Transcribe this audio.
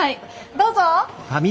どうぞ！